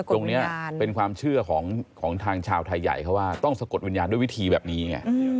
ตรงนี้เป็นความเชื่อของทางชาวไทยใหญ่เขาว่าต้องสะกดวิญญาณด้วยวิธีแบบนี้ไง